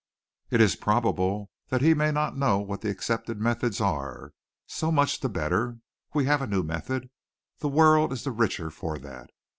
It is probable that he may not know what the accepted methods are. So much the better. We have a new method. The world is the richer for that.